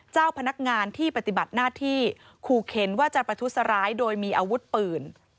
เจ้าพนักงานที่ปฏิบัติหน้าที่ขู่เข็นว่าจะประทุษร้ายโดยมีอาวุธปืน